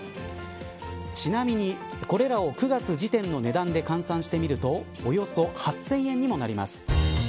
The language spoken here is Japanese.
ちなみにこれらを９月時点の値上げで換算してみるとおよそ８０００円にもなります。